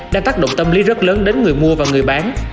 đang tác động tâm lý rất lớn đến người mua và người bán